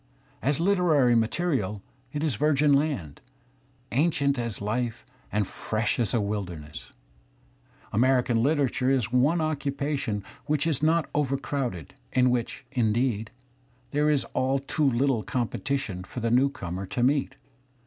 As litera^; gJ3)a,t.ftr'>^ '^*:'— Us virgin land, ancient as life and fresh as a^, . wilderness. ?\^'—^■■.~..._.^—^^^.... J ' American hterature is one occupation which is not over ; crowded, in which, indeed, there is all too Uttle competition for the newcomer to meet.